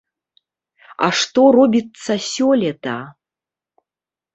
А што робіцца сёлета!